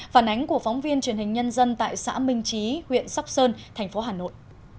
phản ánh của phóng viên truyền hình nhân dân tại xã minh trí huyện sóc sơn thành phố hà nội